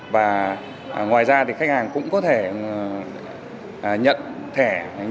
và ngoài ra thì khách hàng cũng có thể nhận thẻ